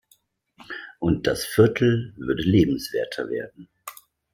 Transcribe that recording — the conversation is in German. Und das Viertel würde lebenswerter werden.